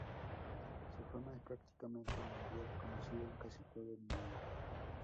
Su fama es prácticamente mundial, conocido en casi todo el mundo.